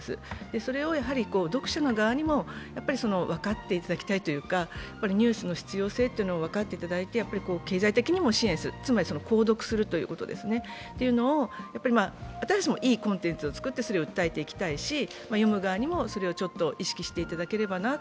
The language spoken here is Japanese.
それを読者の側にも分かっていただきたいというか、ニュースの必要性というのを分かっていただいて、経済的にも支援する、つまり講読するというのを、私たちもいいコンテンツを作って訴えていきたいし読む側にも、それをちょっと意識していただけたらなと。